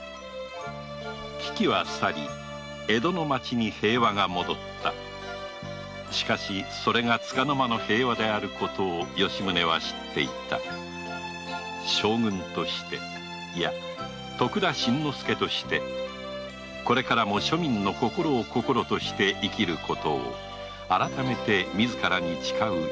危機は去り江戸の町に平和が戻ったしかしそれが束の間の平和であることを吉宗は知っていた将軍としていや徳田新之助としてこれからも庶民の心を心として生きることを改めて自らに誓う吉宗であった